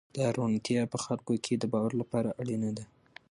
دا روڼتیا په خلکو کې د باور لپاره اړینه ده.